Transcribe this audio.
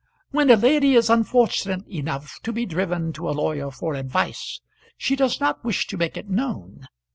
When a lady is unfortunate enough to be driven to a lawyer for advice, she does not wish to make it known.